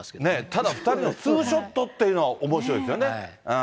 ただ２人のツーショットっていうの、おもしろいですよね。